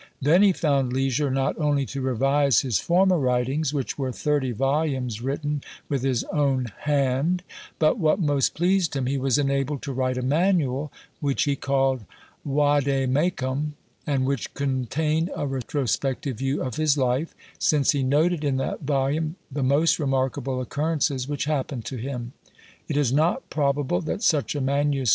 Then he found leisure not only to revise his former writings, which were thirty volumes written with his own hand, but, what most pleased him, he was enabled to write a manual, which he called Vade Mecum, and which contained a retrospective view of his life, since he noted in that volume the most remarkable occurrences which happened to him. It is not probable that such a MS.